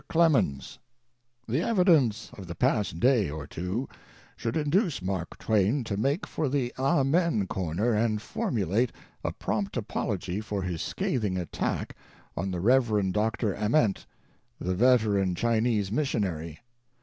CLEMENS. "The evidence of the past day or two should induce Mark Twain to make for the amen corner and formulate a prompt apology for his scathing attack on the Rev. Dr. Ament, the veteran Chinese mission ary.